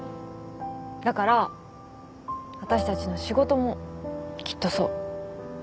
だからあたしたちの仕事もきっとそう。